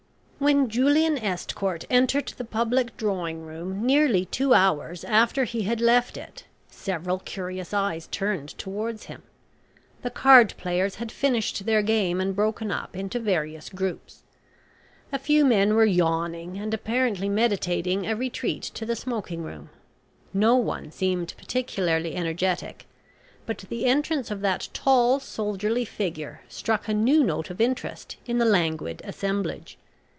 When Julian Estcourt entered the public drawing room, nearly two hours after he had left it, several curious eyes turned towards him. The card players had finished their game and broken up into various groups. A few men were yawning and apparently meditating a retreat to the smoking room. No one seemed particularly energetic, but the entrance of that tall soldierly figure struck a new note of interest in the languid assemblage.